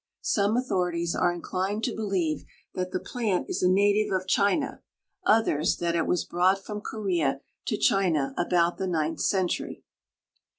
Some authorities are inclined to believe that the plant is a native of China; others, that it was brought from Corea to China about the ninth century.